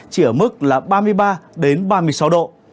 chỉ ở mức là ba mươi ba ba mươi sáu độ